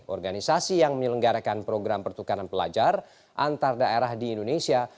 organisasi yang menyelenggarakan program pertukaran pelajar antar daerah di indonesia